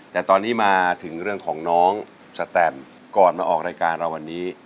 แต่ตอนนี้มาถึงเรื่องของน้องสแตมก่อนมาออกรายการเราวันนี้